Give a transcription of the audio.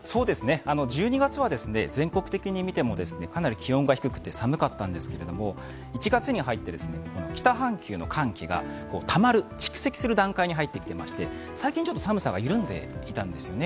１２月は全国的に見てもかなり気温が低くて寒かったんですけれども、１月に入って北半球の寒気がたまる、蓄積する段階に入ってきていまして最近ちょっと寒さが緩んでいたんですよね。